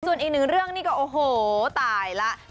ส่วนอีกหนึ่งเรื่องนี่ก็โอ้โหตายแล้ว